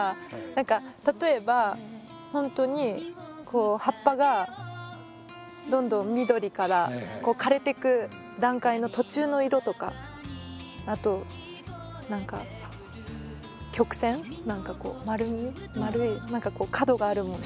何か例えば本当にこう葉っぱがどんどん緑から枯れてく段階の途中の色とかあと何か何かこう角があるもの